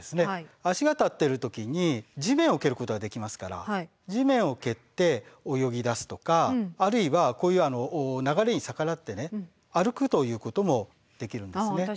足が立ってる時に地面を蹴ることができますから地面を蹴って泳ぎだすとかあるいはこういう流れに逆らって歩くということもできるんですね。